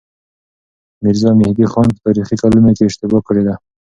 ميرزا مهدي خان په تاريخي کلونو کې اشتباه کړې ده.